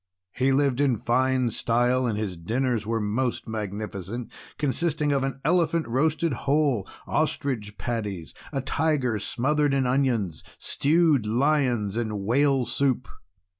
He lived in fine style, and his dinners were most magnificent, consisting of an elephant roasted whole, ostrich patties, a tiger smothered in onions, stewed lions, and whale soup.